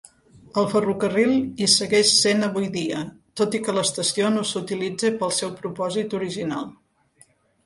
El ferrocarril hi segueix sent avui dia, tot i que l'estació no s'utilitza per al seu propòsit original.